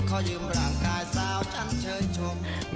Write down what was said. ขอยืมร่างกายสาวฉันเชิญชม